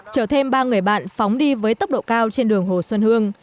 chở thêm ba người bạn phóng đi với tốc độ cao trên đường hồ xuân hương